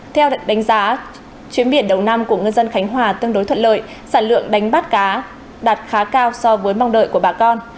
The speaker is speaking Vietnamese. theo đánh giá chuyến biển đầu năm của ngư dân khánh hòa tương đối thuận lợi sản lượng đánh bắt cá đạt khá cao so với mong đợi của bà con